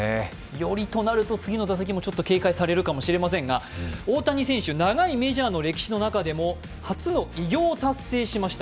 より、となると次の打席も警戒されると思いますが大谷選手、長いメジャーの歴史の中でも初の偉業を達成しました。